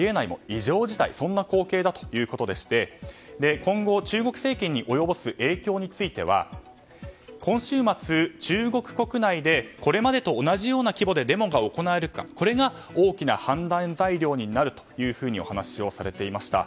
異常事態そんな光景だということでして今後、中国政権に及ぼす影響については今週末、中国国内でこれまでと同じような規模でデモが行われるかこれが大きな判断材料になるというふうにお話をされていました。